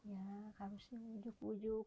ya harus dibujuk bujuk